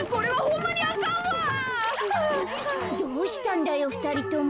どうしたんだよふたりとも。